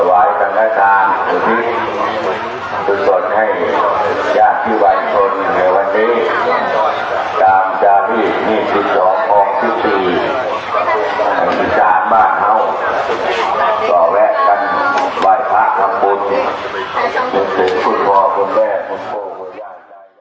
วายธรรมดาศาลสุทธิศส่วนให้จากที่วัยทนในวันนี้ตามจาววิทย์นี่สิบสองฮสิบสี่อัศวินิสัมภาษาเข้าก็แวะกันวัยพักษ์ของบุญจุดสุดพ่อพ่อแม่พ่อโภคหัวใยใจใย